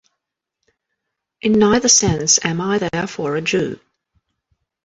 In neither sense am I therefore a Jew.